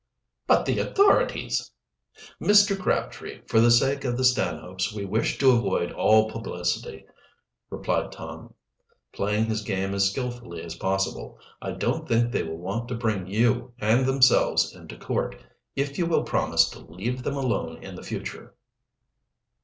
"But the authorities " "Mr. Crabtree, for the sake of the Stanhopes we wish to avoid all publicity," replied Tom, playing his game as skillfully as possible. "I don't think they will want to bring you and themselves into court, if you will promise to leave them alone in the future."